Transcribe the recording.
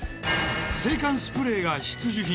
制汗スプレーが必需品。